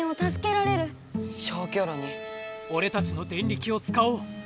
おれたちのデンリキをつかおう！